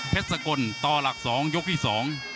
สกลต่อหลักสองยกที่สอง